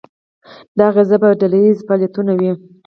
دا اغیزه په ډله ییزو فعالیتونو وي.